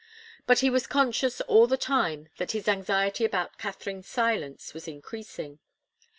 But he was conscious all the time that his anxiety about Katharine's silence was increasing.